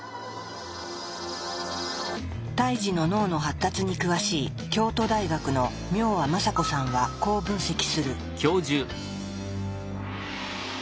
胎児の脳の発達に詳しい京都大学の明和政子さんはこう分析する。